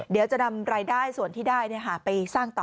เดี๋ยวจะนำรายได้ส่วนที่ได้ไปสร้างต่อ